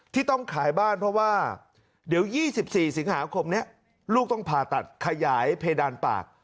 ที่ต้องขายบ้านเพราะว่าเดี๋ยว๒๔สิงหาคมนี้ลูกต้องผ่าตัดขยายเพดานปาก